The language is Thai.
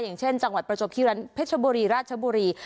อย่างเช่นจังหวัดประจบคิริเพชรบุรีราชบุรี